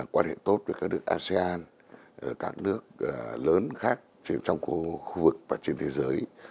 quan hệ tốt với các nước asean các nước lớn khác trong khu vực và trên thế giới